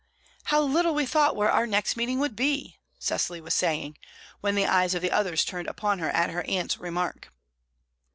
"How little we thought where our next meeting would be!" Cecily was saying, when the eyes of the others turned upon her at her aunt's remark.